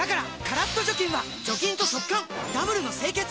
カラッと除菌は除菌と速乾ダブルの清潔！